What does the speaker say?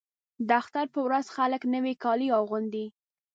د اختر په ورځ خلک نوي کالي اغوندي.